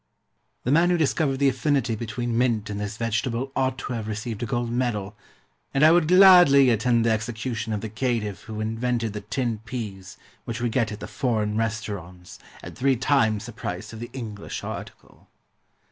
The man who discovered the affinity between mint and this vegetable ought to have received a gold medal, and I would gladly attend the execution of the caitiff who invented the tinned peas which we get at the foreign restaurants, at three times the price of the English article.